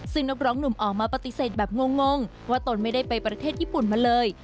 ซึ่งนักร้องหนุ่มออกมาปฏิเสธแบบงงว่าตนไม่ได้ไปประเทศญี่ปุ่นมาเลย